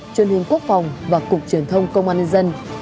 truyền hình quốc phòng và cục truyền thông công an nhân dân